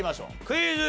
クイズ。